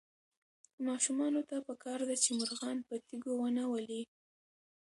ماشومانو ته پکار ده چې مرغان په تیږو ونه ولي.